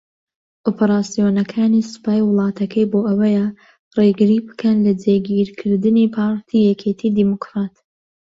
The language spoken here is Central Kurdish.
ئۆپەراسیۆنەکانی سوپای وڵاتەکەی بۆ ئەوەیە رێگری بکەن لە جێگیرکردنی پارتی یەکێتی دیموکرات